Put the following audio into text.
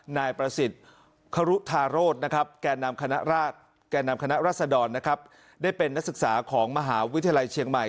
นายประสิทธิ์ครุฑารถแก่นำคณะรัสดรได้เป็นนักศึกษาของมหาวิทยาลัยเชียงใหม่